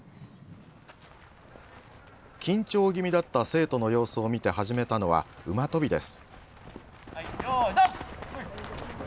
緊張気味だった生徒の様子を見て始めたのは、馬跳びです。